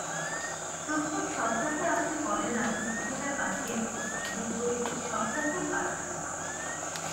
প্রত্যেক সপ্তাহে আপনি বলেন আপনি চিঠিটা পাঠিয়ে দিবেন এবং প্রত্যেক সপ্তাহেই পাঠান না।